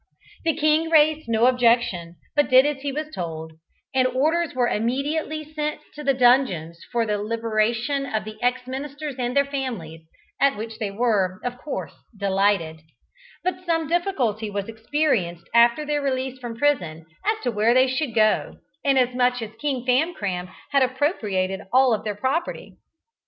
The king raised no objection, but did as he was told, and orders were immediately sent to the dungeons for the liberation of the ex ministers and their families, at which they were, of course, delighted; but some difficulty was experienced after their release from prison, as to where they should go to, inasmuch as King Famcram had appropriated all their property.